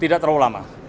tidak terlalu lama